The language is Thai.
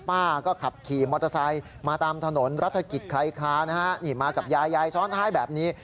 ป้าก็ขับขี่มอเตอร์ไซค์มาตามถนนรัฐกิจใครคานะฮะนี่มากับยายยายซ้อนท้ายแบบนี้